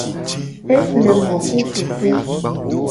Eple mo ku keke.